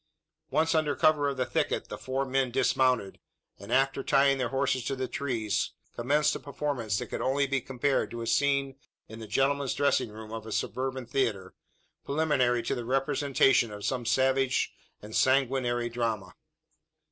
Once under cover of the thicket, the four men dismounted; and, after tying their horses to the trees, commenced a performance that could only be compared to a scene in the gentlemen's dressing room of a suburban theatre, preliminary to the representation of some savage and sanguinary drama.